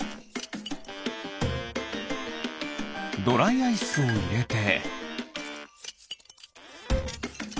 ドライアイスをいれて。